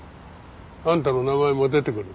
あんたの名前も出てくる。